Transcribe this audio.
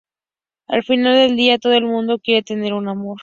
Al final del día, todo el mundo quiere tener un amor".